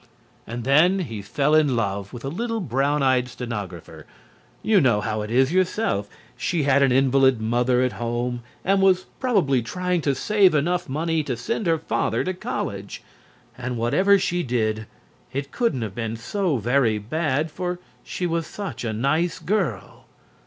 And then he fell in love with a little brown eyed stenographer. You know how it is yourself. She had an invalid mother at home and was probably trying to save enough money to send her father to college. And whatever she did, it couldn't have been so very bad, for she was such a nice girl.